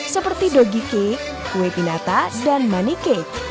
seperti doggy cake kue pinata dan money cake